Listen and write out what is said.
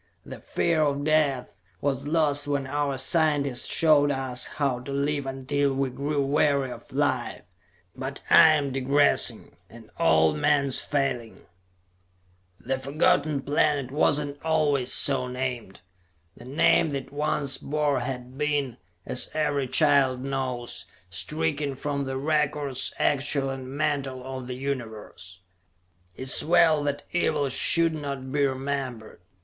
The fear of death was lost when our scientists showed us how to live until we grew weary of life. But I am digressing an old man's failing. [Illustration: "It's nothing. Close the exit; we depart at once."] The Forgotten Planet was not always so named. The name that it once bore had been, as every child knows, stricken from the records, actual and mental, of the Universe. It is well that evil should not be remembered.